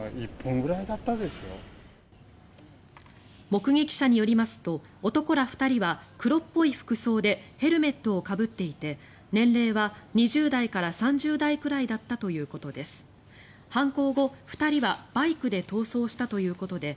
目撃者によりますと男ら２人は黒っぽい服装でヘルメットをかぶっていて年齢は２０代から３０代くらいだったということです。